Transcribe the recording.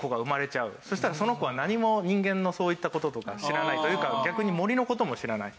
そしたらその子は何も人間のそういった事とかを知らないというか逆に森の事も知らない。